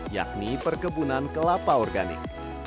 yakni perkebunan kelapa organik